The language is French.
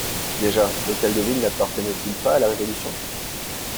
Déjà l'Hôtel de Ville n'appartenait-il pas à la Révolution?